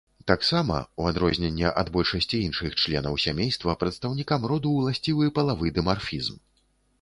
Таксама, у адрозненне ад большасці іншых членаў сямейства, прадстаўнікам роду ўласцівы палавы дымарфізм.